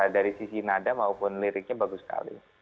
dari sisi nada maupun liriknya bagus sekali